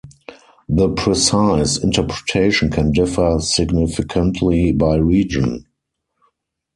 The precise interpretation can differ significantly by region.